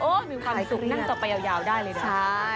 มีความสุขนั่งต่อไปยาวได้เลยนะ